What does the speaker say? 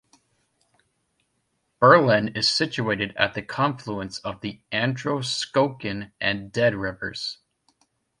Berlin is situated at the confluence of the Androscoggin and Dead rivers.